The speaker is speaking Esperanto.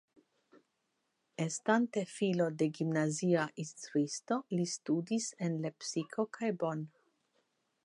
Estante filo de gimnazia instruisto li studis en Lepsiko kaj Bonn.